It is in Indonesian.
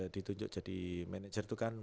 ditunjuk jadi manajer itu kan